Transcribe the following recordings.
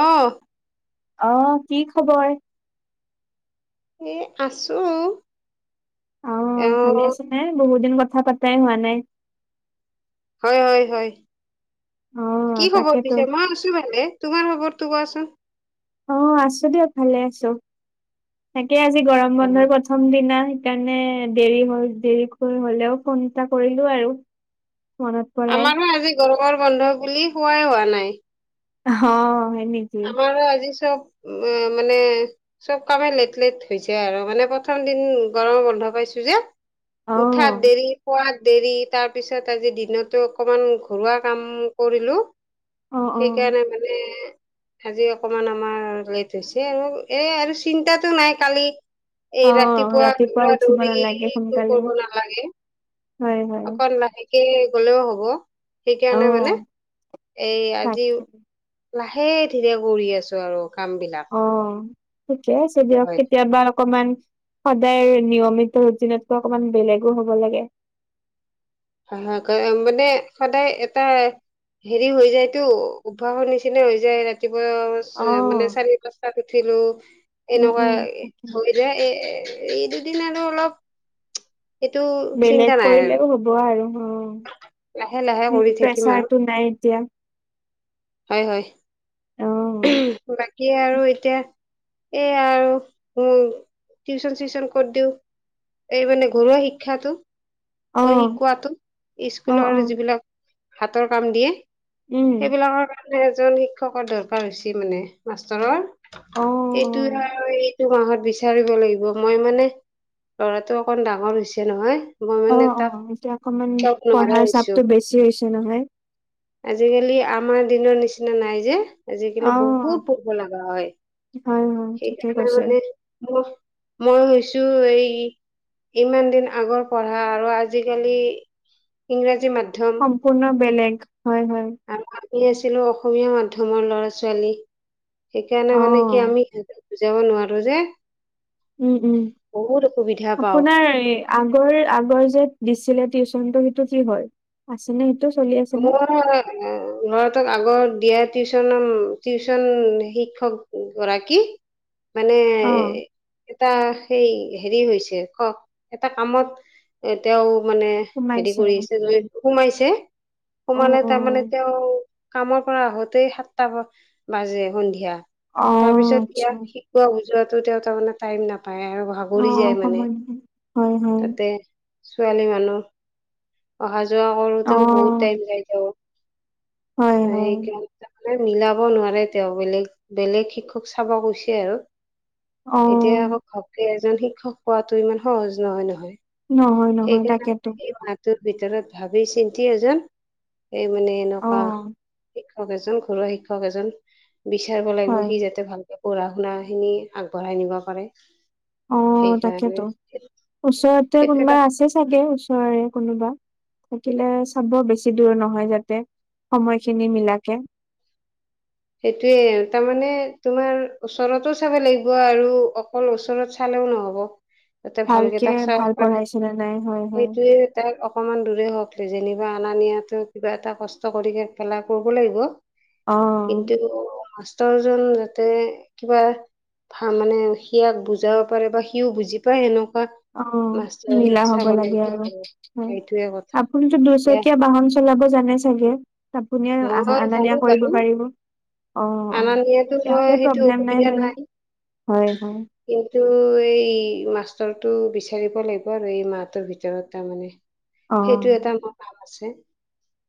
অঁ আহ কি খবৰ এ আছো অ ভালে আছ নাই বহুত দিন কথা পাতাই হোৱা নাই হয় হয় হয় অ কি খবৰ তাকেতো দিিছে মই আছো ভানে তোমাৰ খবৰ ত আছ অ আছো দিয়ক ভালে আছো তাকে আজি গৰম বন্ধৰ প্ৰথম দিনা সেইকাৰণে দেৰি হ দেৰিক হলেও ফোন এটা কৰিলো আৰু মনত পৰাই আমাৰো আজি গৰৱৰ বন্ধ বুলি হোৱাই হোৱা নাই অ হয় নেকি আমাৰ আজি চব উ মানে চব কামে লেট লেট হৈছে আৰু মানে প্ৰথম দিন গৰম বন্ধ পাই ছো যে অ উঠাত দেৰি খোৱাত দেৰি তাৰ পিছত আজি দিনতো অকমান ঘৰুৱা কাম কৰিলো অ অ সেইকাৰণে মানে আজি অকমান আমাৰ লেট হৈছে আৰু এ আৰু চিন্তাতটো নাই কালি এই অ ৰাতিপুৱা দৌৰা উঠিব নালাগে দৌৰিটো সোনকালে কৰিব নালাগে হয় হয় স গলেও হ'ব অ সেইকাৰণে মানে এই আজি তাকে লাহে ধীৰে কৰি আছো আৰু কাম বিলাক িকে দিয় হয় কেতিয়া বাৰ অকমান সদায় নিয়মিত উদ দিনতকৈ অকমান বেলেগো হ'ব লাগে হ মানে সদায় এটা হেৰি হৈ যায়তো অভ্যাসৰ নিচিনা হৈ যায় ৰাতি উ মানে অ', চাৰি প্ৰস্তাটোো উম, এনেকুৱা উম, তাকে। হৈ যায় এ এই দুদিন আৰু অলপ এইেইটো বেলেগ চিন্তা নাই আৰু কৰিলেও আৰু অ হ'ব লাহে লাহে কৰি থাকিম আৰু প্ৰেচাৰটো নাই এতিয়া হয় হয় অ', বাকী আৰু এতিয়া এ আৰু ম টিউচন চিউচন কত দিওঁ এই মানে ঘৰুৱা শিক্ষাটো অ', শিকোৱাতো অ', স্কুলৰ অ', যিবিলাক হাতৰ কাম দিয়ে উম, সেইবিলাকৰ কাৰণে এজন শিক্ষকৰ দৰকাৰ হৈছে মানে মাষ্টৰৰ অ', সেইটোয়ে অ'। আৰু এই টো মাহত বিচাৰিব লাগিব মই মানে ল'ৰাটো অকণ ডাঙৰ হৈছে নহয় অ', মনে এটা অ', এতিয়া অকমান পঢ়াৰ নোৱাৰোৱাৰৈছো চাপটো বেছি হৈছে নহয়। আজিকালি আমাৰ দিনৰ নিচিনা নাই যে আজিকালি অ', বহুত পঢব লগা হয় হয়, হয়, ঠিকে সেইকাৰণে কৈছে। মানে মই মই হৈছো এই ইমান দিন আগৰ পঢ়া আৰু আজিকালি ইংৰাজী মাধ্যম সম্পূৰ্ণ বেলেগ হয় হয় আৰু আমি আছিলোঁ অসমীয়া মাধ্যমৰ ল'ৰা ছোৱালী সেইকাৰণে মানে কি অ', আমি সিহঁতেক বুজাব নোৱাৰো যে উম-উম বহুত অসুবিধা পাওঁ আপোনাৰ আগৰ আগৰ যে দিছিলে টিউচন কিন্ত সেইটো কি হয়, আছেনে সেইটো চলি আছেনে? মোৰ ল'ৰাটোক আগৰ দিয়াত টিউচন টিউচন শিক্ষক গৰাকী মানে অ', এটা সেই হেৰি হৈছে খ এটা কামত এ তেওঁ মানে হেৰি সোমাইছে কৰিছে সোমাইছে অ', সোমালে তাৰ অ'। মানে তেওঁ কামত পৰা আহোতে সাতটা বাজে সন্ধিয়া তাৰ অ', পিছত আচ্ছা ইয়াক শিকোৱা যোৱাতো তেওঁ তাৰমানে টাইম নাপায় আৰু ভাগৰি যায় অ', মানে সময় নহয়। হয়, হয়। তাতে ছোৱালী মানুহ অহা যোৱা কৰোঁতেও বহুত অ', টাইম যায়টো হয়, হয়েই হয়। কামটা মিলাব নোৱাৰে তেওঁ বেলেগ বেলেগ শিক্ষক চাব কৈছে আৰু এতিয়া অ', আকৌ ঘবকে এজন শিক্ষক পোৱাটো ইমান সহজ নহয়-নহয়। নহয়, নহয় তাকেতো সেইকাৰণে এই মাহটোত ভিতৰত ভাবি চিন্তি এজন এই মানে এনেকুৱা অ', শিক্ষক এজন ঘৰুৱা শিক্ষক এজন বিচাৰিব লাগিব হয়। সি যাতে ভালকে পঢ়া শুনা খিনি আগবঢ়াই নিব পাৰে অ', সেইকাৰণে তাকেইটো ওচৰতে সেইটো এটা কোনোবা আছে চাগে ওচৰেৰে কোনোবা থাকিলে চাব বেছি দূৰ নহয় যাতে সময়খিনি মিলাকে [inaudible] সেইটোৱে তাৰ মানে তোমাৰ ওচৰতো চাব লাগিব আৰু অকল ওচৰত চালে চালেও নহ'ব তাতে ভালকে তাক চাব ভাল পাৰে পঢ়াইছে নে নাই হয়, হয়। সেইটোৱে তাৰ অকমান দূৰে হওক যেনিবা অনা নিয়াতো কিবা এটা কষ্ট কৰি পেলাই কৰিব লাগিব অ', কিন্তু মাষ্টৰজন যাতে কিবা ভাল মানে সিয়াক বুজাব পাৰে বা সিও বুজি পায় হেনক। অ', মিলা হব লাগে লাগিব আৰু হয়। সেইটোৱে কথা আপুনিটো দিয়া দুইচকীয়া বাহন চলাব জানে চাগে? আপুনিয়ে মই আনা-নিয়া জানো কৰিব বাৰু পাৰিব। অ', - অনা অ', নিয়াতো তেতিয়া মই হ'লে লে সেইটো প্ৰব্লেম নাই অসুবিধা হয়-হয়। কিন্তু এই মাষ্টৰটো বিচাৰিব লাগিব আৰু এই মাহটোৰ ভিতৰত তাৰমানে অ সেইটো এটা মোৰ কাম আছে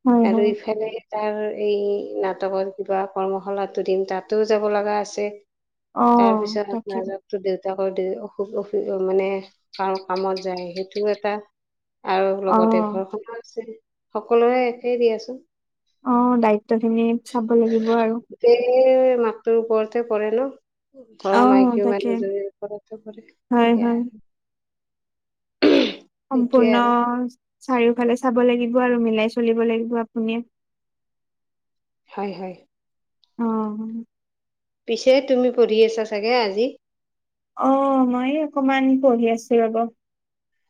হয় আৰু হয় ইফালে তাৰ এই নাটকৰ কিবা কৰ্মশালাটো দুদিন তাতো যাব লগা আছে। অ তাৰপিছত তাকে আপোনাৰ [unintelligible] দেউ দেউতাকৰ দৰেই অসুখ অসু মানে কাৰ কামত যায় সেইটো এটা আৰু অ লগতে ঘৰখনো আছে সকলো একেই দিয়াচোন। অ', দায়িত্ব খিনিত চাব লাগিব আৰু এহ মাকটোৰ ওপৰতে পৰে ন' অ ঘৰৰ মাইকী তাকে মানুহজনীৰ ওপৰত পৰে হয় সেয়া হয় আৰু সেইটোৱে সম্পূৰ্ণ আৰু চাৰিওফালে চাব লাগিব আৰু মিলাই চলিব লাগিব আপুনি হয়-হয় অ', পিছে তুমি পঢ়ি আছা চাগে আজি? অ', মই অকমান পঢ়ি আছোঁ ৰব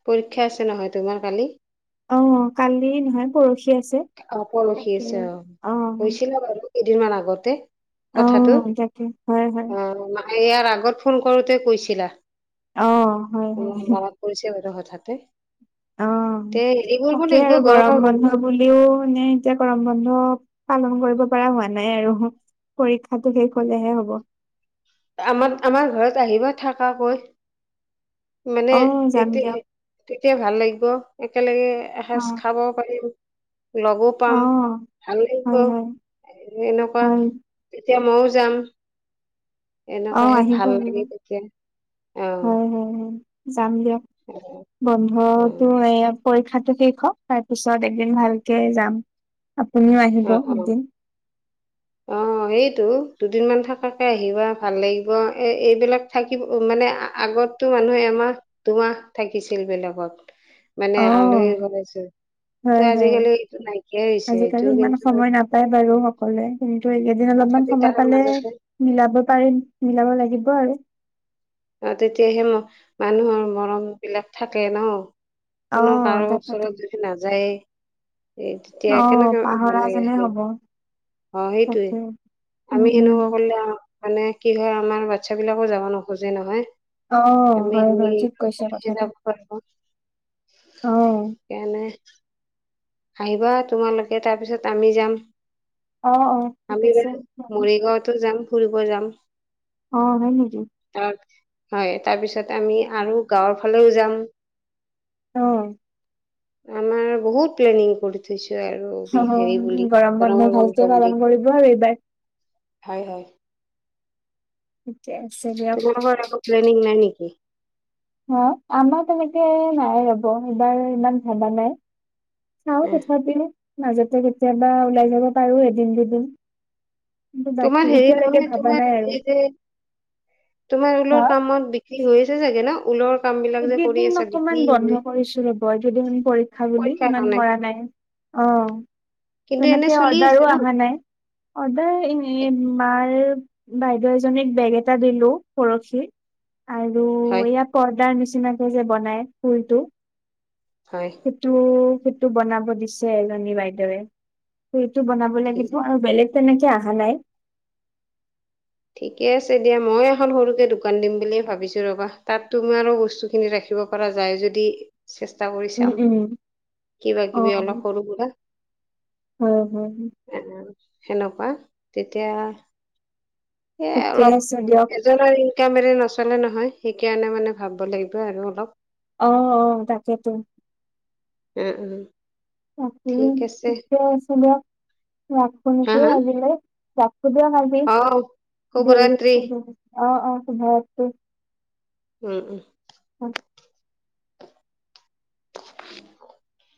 পৰীক্ষা আছে নহয় তোমাৰ কালি? অ', কালি নহয় পৰহি আছে। অ', পৰহি তাকে আছে অ', গৈছিলে বাৰু কেইদিনমান আগতে অ কথাটো তাকে হয় হয় অ', মায়ে ইয়াৰ আগত ফোন কৰোঁতে কৈছিলা। অ হয় মোৰ মনত পৰিছে বাৰু হঠাতে অ' তে হেৰি কৰিব তাকেই লাগিব আৰু গৰমৰ গৰম বন্ধ বুলিও। এতিয়া গৰম বন্ধ পালন কৰিব পৰা হোৱা নাই। আৰু পৰীক্ষাটো শেষ হলেহে হ'ব। আমাৰ -আমাৰ ঘৰত আহিব থাকাকৈ। মানে অ যাম দিয়ক এতিয়া' তেতিয়া ভাল লাগিব। একেলগে অ এসজ খাব পাৰিম। লগো পাম অ ভাল লাগিব। হয় হয় এনেকুৱা হয় এতিয়া ময়ও যাম। অ এনেকুৱাহে আহিব ভাল আহিব লাগে। তেতিয়া আহ- হয় হয় হয় যাম দিয়ক অ বন্ধতো। পৰীক্ষাতো শেষ হক তাৰপিছত একদিন ভালকে যাম। আপুনিও আহিব অ' অ' এদিন অ সেইটো। দুদিনমান থকাকে আহিবা। ভাল লাগিব এই এইবিলাক থাকিব মানে আগতো মানুহে। মাহ দুোমাহ থাকিছিল। বিলগত মানে অ আলহী বনাইছো ত হয় হয় আজিকালি এইটো নাইকিয়াই হৈছে। আজিকালি ইমান কিন্তু সময় নাপায় বাৰু সকলোৱে এইকেইদিন অলপমান তথাপি সময় তাৰে পালে মাজতে মিলাব পাৰিম। মিলাব লাগিব আৰু অ' তেতিয়াহে ম' মানুহৰ মৰম বিলাক থাকে ন কোনো অহ কাৰো তাকেতো ওচৰত যদি নাযায়েই। এই তেতিয়া অহ কেনেকে পাহৰা মানে যেনে সেই হব অ' সেইটোয়ে তাকে উম আমি উম সেনেকুৱা কৰিলে মানে কি হয়। আমাৰ বাচ্ছা বিলাকো যাব নোখোজে অ নহয়। এমি হয় হয় ঠিক কৈছে এমিহে কথাটো যাব পাৰিব। অ কেনেে? আহিবা তোমালোকে তাৰপিছত আমি যাম। অ অ ঠিক আমি আছে বাৰু মৰিগাঁওতো যাম ফুৰিব। যাম- অ' ভ নিকি? তাৰ হয় তাৰপিছত আমি আৰু গাঁৱৰ ফালেও যাম। অ' আমাৰ বহুত প্লেনিিং কৰি থৈছো। আৰু হেৰি বুলি গৰম ঘৰমৰ ভালকে বন্ধ পালন বুলি। কৰিব আৰু এইবাৰ হয়' হয় ঠিকে আছে দিয়ক তম ঘ একো প্্ৰনিিং নাই নেকি? অ' আমাৰ তেনেকে নাই ৰ'ব এইবাৰ ইমান ধেডা নাই। চাও এ তথাপিও মাজতে কেতিয়াবা ওলাই যাব পাৰো। এদিন দুদিন কিন্তু তোমাৰ বাকী হেৰি এতিয়ালৈকে নহয় ভাবা তোমাৰ নাই আৰু এই যে তোমাৰ হা ঊলৰ কামত বিক্ৰী হৈ আছে। ছাগে ন ঊলৰ কাম বিলাক যে কৰি এইকেইদিন আছা বিক্ৰী অকমান হৈ বন্ধ কৰিছিলো। ৰ'ব কেইদিন পৰীক্ষা বুলি পৰীক্ষাৰ ইমান কাৰণে কৰা নাই। অ' কিন্তু এনে তেনেকে চলি আছে অৰ্ডাৰো ন অহা নাই। অৰ্ডাৰ এ' মাৰ বাইদেউ এজনীক বেগ এটা দিলো। পৰশি আৰু হয় এয়া পৰ্দাৰ নিচিনাকে যে বনাই ফুলটো হয় সেইটো -সেইটো বনাব দিছে ৰণী বাইদেৱে স টো বনাব ঠিক লাগিব। আৰু বেলেগ তেনেকে অহা নাই। ঠিকে আছে দিয়া। মই এখন সৰুকে দোকান দিম বুলিয়ে ভাবিছো। ৰবা তাত তুমি আৰু বস্তু খিনি ৰাখিবা। ৰাখিব পৰা যায় যদি চেষ্টা কৰি উম, চাম উম। কিবা কিবি অলপ সৰু সুৰা উ হ সনেকুৱা তেতিয়া সে ঠিকে অলপ আছে দিয়ক। এজ কামেৰি নচলে নহয় সেইকাৰণে মানে ভাব লাগিব আৰু অলপ অ অ তাকেতো উম, উম। হা হা [inaudible] অ শুভৰাত্ৰি সুভ [unintelligible] উম, উম। [inaudible]